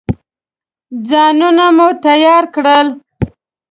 ځانونه مو تیار کړل.